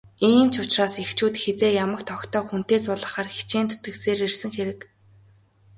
Ийм ч учраас эхчүүд хэзээ ямагт охидоо хүнтэй суулгахаар хичээн зүтгэсээр ирсэн хэрэг.